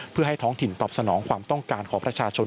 เพื่อให้ท้องถิ่นตอบสนองความต้องการของประชาชน